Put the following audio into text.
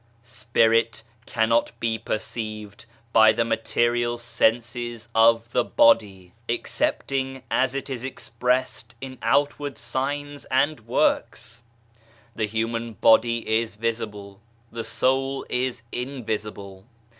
Spirit cannot be perceived by the material senses 78 " L' ALLIANCE SPIRITUALISTE " of the physical body, excepting as it is expressed in outward signs and works. The human body is visible, the soul is invisible.